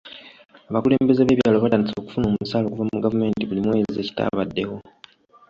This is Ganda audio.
Abakulembeze b'ebyalo batandise okufuna omusaala okuva mu gavumenti buli mwezi ekitabaddeewo.